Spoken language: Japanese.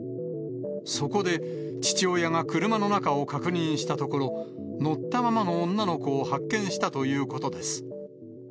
そこで、父親が車の中を確認したところ、乗ったままの女の子を発見したということです。